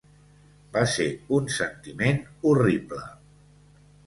Va ser un sentiment horrible.